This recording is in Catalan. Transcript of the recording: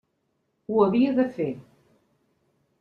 Ho havia de fer.